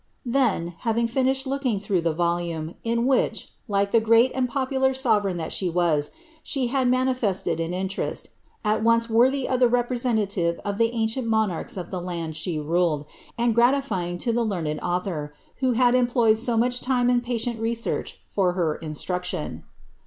Then, having finished looking through the volume, in which, like ihe great and popular sovereign ihal she was.sh* had manifested an interest, at once worthy of the representative o( the ancient monarchs of the land she ruled, and gratifying to ihe learneil author, who had employed so much time and palient research fur her instruction.